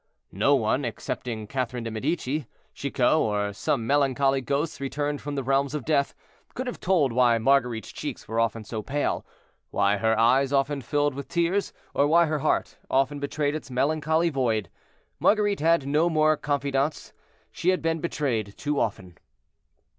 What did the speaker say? No one, excepting Catherine de Medicis, Chicot, or some melancholy ghosts returned from the realms of death, could have told why Marguerite's cheeks were often so pale, why her eyes often filled with tears, or why her heart often betrayed its melancholy void. Marguerite had no more confidantes; she had been betrayed too often.